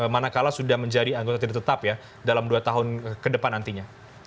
manakala sudah menjadi anggota tidak tetap ya dalam dua tahun ke depan nantinya